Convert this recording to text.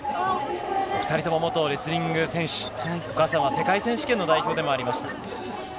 お２人とも元レスリング選手、お母さんは世界選手権の代表でもありました。